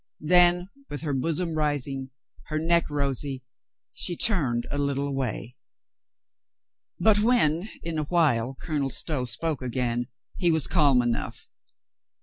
Then, with her bosom rising, her neck rosy, she turned a little away. But when, in ,a while, Colonel Stow spoke again, he was calm enough.